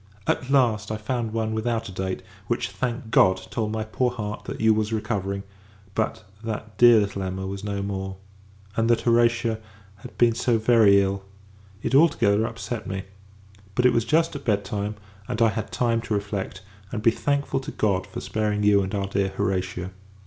At last, I found one without a date: which, thank God! told my poor heart, that you was recovering; but, that dear little Emma was no more! and, that Horatia had been so very ill it all together upset me. But, it was just at bed time; and I had time to reflect, and be thankful to God for sparing you and our dear Horatia.